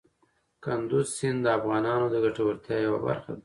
کندز سیند د افغانانو د ګټورتیا یوه برخه ده.